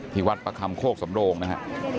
ที่วัดประคำโคกสำโรงนะฮะ